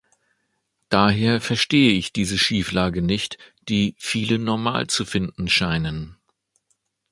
Daher verstehe ich diese Schieflage nicht, die viele normal zu finden scheinen.